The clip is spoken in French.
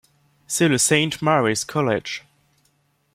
C’est le ‘Saint-Mary’s College’.